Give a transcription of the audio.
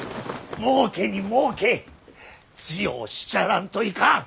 もうけにもうけ強うしちゃらんといかん。